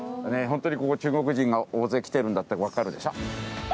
ホントにここ中国人が大勢来てるんだってわかるでしょ？